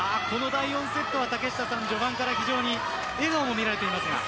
この第４セットは序盤から非常に笑顔も見られています。